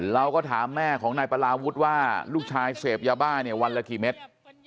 เราก็ถามแม่ของนายประลาวุฒิว่าลูกชายเสพยาบ้าเนี่ยวันละกี่เม็ด